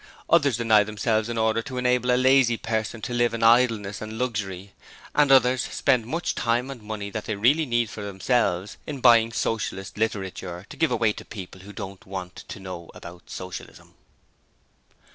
Others deny themselves in order to enable a lazy parson to live in idleness and luxury; and others spend much time and money that they really need for themselves in buying Socialist literature to give away to people who don't want to know about Socialism.